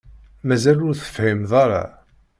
Mazal ur tefhimeḍ ara.